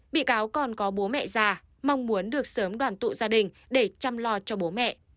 bị cáo còn có bố mẹ già mong muốn được sớm đoàn tụ gia đình để chăm lo cho bố mẹ